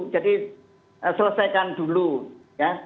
jadi selesaikan dulu ya